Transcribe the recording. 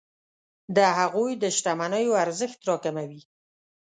د هغوی د شتمنیو ارزښت راکموي.